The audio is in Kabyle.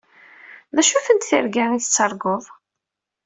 D acu-tent tirga i tettarguḍ?